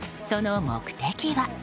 その目的は。